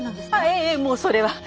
ええもうそれは。